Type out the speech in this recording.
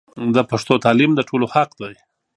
د پښتو تعلیم د ټولو حق دی.